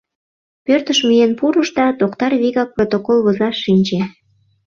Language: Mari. Пӧртыш миен пурыш да, Токтар вигак протокол возаш шинче.